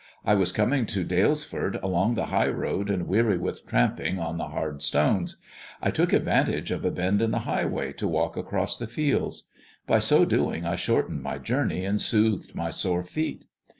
I was coming to Dalesford along the high road, and weary with tramping on the hard stones, I took advantage of a bend in the highway to walk across the fields. By so doing I shortened my journey, and soothed my sore feet.